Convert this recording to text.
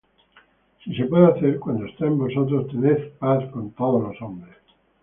Si se puede hacer, cuanto está en vosotros, tened paz con todos los hombres.